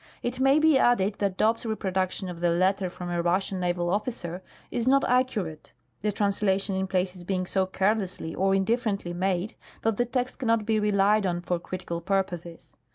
It may be added that Dobbs' reproduction of the " Letter from a Russian naval officer " is not accurate, the transla tion in places being so carelessly or indifferently made that the text cannot be relied on for critical purposes.